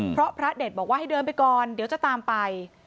เพราะพระเด็ดบอกว่าให้เดินไปก่อนเดี๋ยวจะตามไป